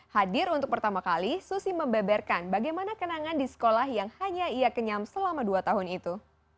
hadir untuk pertama kali susi membeberkan bagaimana kenangan di sekolah yang hanya ia kenyam selama dua tahun itu